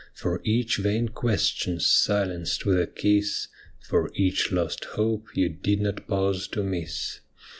For each vain question silenced with a kiss, For each lost hope you did not pause to miss.